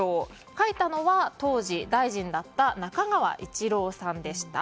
書いたのは当時大臣だった中川一郎さんでした。